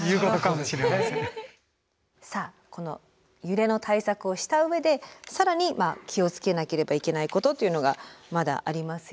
さあこの揺れの対策をした上で更に気を付けなければいけないことというのがまだありますよね。